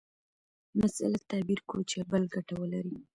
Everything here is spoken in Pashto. مسأله تعبیر کړو چې بل ګټه ولري.